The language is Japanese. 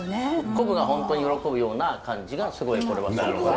昆布が本当に喜ぶような感じがすごいこれはするので。